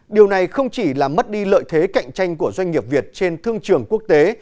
điều này không chỉ làm mất đi lợi thế cạnh tranh của doanh nghiệp việt trên thương trường quốc tế